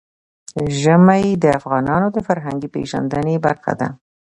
ژمی د افغانانو د فرهنګي پیژندنې برخه ده.